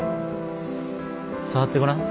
触ってごらん。